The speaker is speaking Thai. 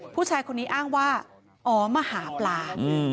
ผู้ชายคนนี้อ้างว่าอ๋อมาหาปลา